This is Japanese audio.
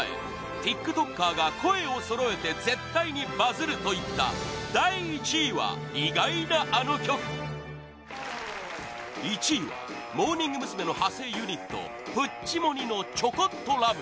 ティックトッカーが声をそろえて絶対にバズる！と言った第１位は意外なあの曲１位はモーニング娘。の派生ユニットプッチモニの「ちょこっとＬＯＶＥ」